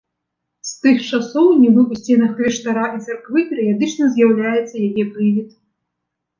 З тых часоў нібы ў сценах кляштара і царквы перыядычна з'яўляецца яе прывід.